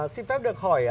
xin phép được hỏi